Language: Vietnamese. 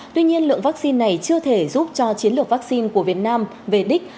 tuy nhiên lượng vaccine này chưa thể giúp cho chiến lược vaccine của việt nam về đích